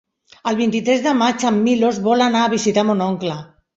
El vint-i-tres de maig en Milos vol anar a visitar mon oncle.